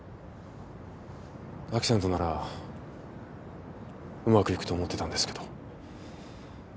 亜紀さんとならうまくいくと思ってたんですけど。